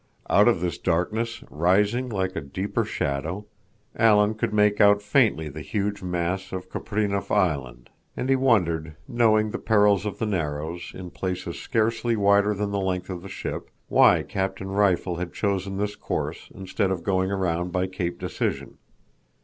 Out of this darkness, rising like a deeper shadow, Alan could make out faintly the huge mass of Kupreanof Island. And he wondered, knowing the perils of the Narrows in places scarcely wider than the length of the ship, why Captain Rifle had chosen this course instead of going around by Cape Decision.